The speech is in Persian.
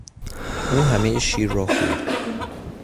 او همهی شیر را خورد.